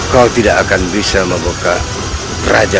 tapi bagaimana caranya